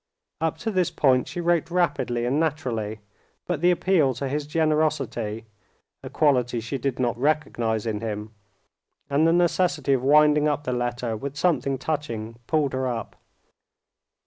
Up to this point she wrote rapidly and naturally, but the appeal to his generosity, a quality she did not recognize in him, and the necessity of winding up the letter with something touching, pulled her up.